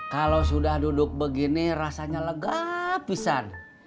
kalau sudah duduk begini rasanya lega pisan